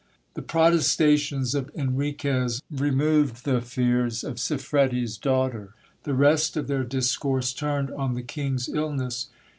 The protestations of Enriquez removed the fears of Siffredi's daughter. The rest of their discourse turned on the king's illness.